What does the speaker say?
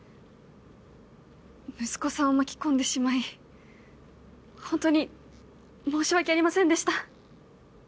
息子さんを巻き込んでしまい本当に申し訳ありませんでした。